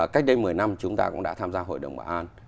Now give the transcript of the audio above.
cách đây một mươi năm chúng ta cũng đã tham gia hội đồng bảo an